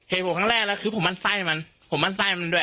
เหตุผมครั้งแรกแล้วคือผมมั่นไส้มันผมมั่นไส้มันด้วย